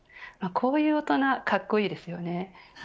こういう大人格好いいですよね。